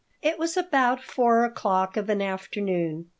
It was about 4 o'clock of an afternoon.